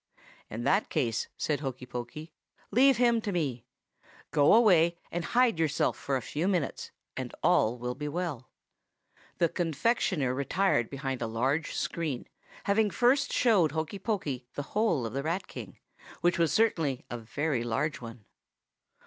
"'In that case,' said Hokey Pokey, 'leave him to me. Go away, and hide yourself for a few minutes, and all will be well.' "The confectioner thanked him warmly." "The confectioner retired behind a large screen, having first showed Hokey Pokey the hole of the Rat King, which was certainly a very large one.